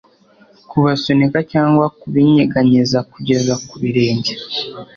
Kubasunika cyangwa kubinyeganyeza kugeza ku birenge